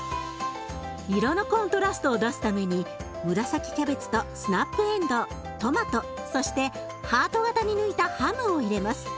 色のコントラストを出すために紫キャベツとスナップえんどうトマトそしてハート形に抜いたハムを入れます。